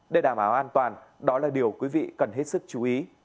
để đảm bảo an toàn đó là điều quý vị cần hết sức chú ý